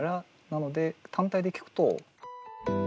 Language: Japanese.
なので単体で聴くと。